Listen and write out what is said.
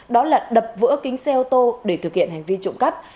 đó là đập vỡ kính xe ô tô để thực hiện hành vi trộm cắp